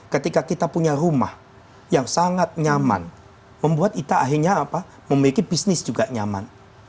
ketika kita punya rumah yang sangat nyaman membuat kita akhirnya memiliki bisnis juga nyaman